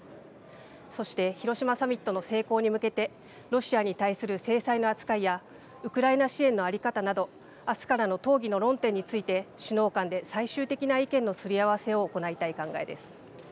そして広島サミットの成功に向けてロシアに対する制裁の扱いやウクライナ支援の在り方などあすからの討議の論点について首脳間で最終的な意見のすり合わせを行いたい考えです。